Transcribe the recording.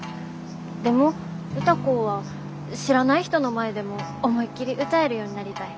でも歌子は知らない人の前でも思いっきり歌えるようになりたい。